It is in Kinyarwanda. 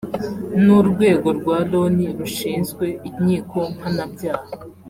n’urwego rwa Loni rushinzwe inkiko mpanabyaha